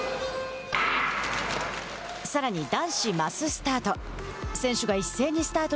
さらに男子マススタート。